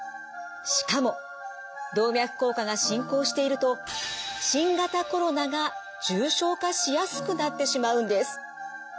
しかも動脈硬化が進行していると新型コロナが重症化しやすくなってしまうんです。